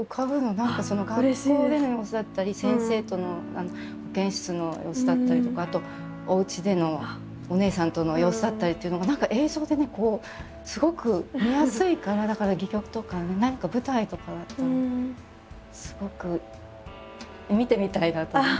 何かその学校での様子だったり先生との保健室の様子だったりとかあとおうちでのお姉さんとの様子だったりっていうのが何か映像でねこうすごく見やすいからだから戯曲とかね何か舞台とかだったらすごく見てみたいなと思う。